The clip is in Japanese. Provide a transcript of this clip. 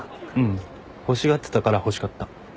欲しがってたから欲しかった。